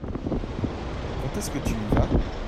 Quand est-ce que tu y vas ?